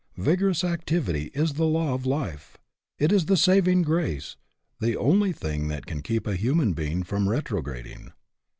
Vigorous activity is the law of life ; it is the saving grace, the only thing that can keep a human being from retrograding.